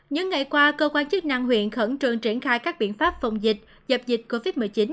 những ngày qua cơ quan chức năng huyện khẩn trương triển khai các biện pháp phòng dịch dập dịch covid một mươi chín